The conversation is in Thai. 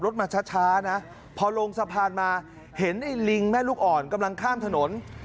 สภาพมาเห็นลิงแม่ลูกอ่อนกำลังข้ามถนน